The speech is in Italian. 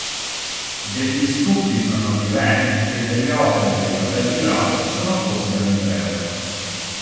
Degli stucchi sono di Reni e delle opere dei fratelli Bravo sono posti all'interno.